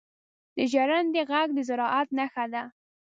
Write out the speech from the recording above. • د ژرندې ږغ د زراعت نښه ده.